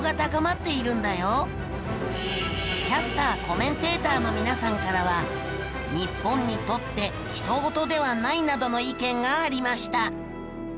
キャスター・コメンテーターの皆さんからは日本にとってひとごとではないなどの意見がありました。